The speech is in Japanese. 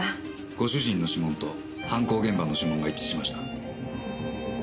ご主人の指紋と犯行現場の指紋が一致しました。